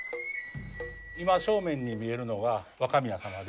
今正面に見えるのが若宮様で。